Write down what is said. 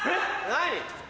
何？